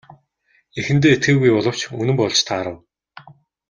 Эхэндээ итгээгүй боловч үнэн болж таарав.